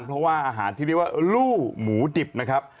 เพราะว่าอาหารที่เรียกว่าลู่หมูดิบนะครับ